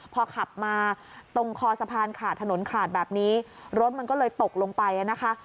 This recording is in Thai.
พอขับมาตรงคอสะพานขาดถนนขาดแบบนี้รถมันก็เลยตกลงไปนะคะ